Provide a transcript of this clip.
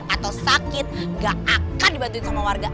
atau sakit gak akan dibantuin sama warga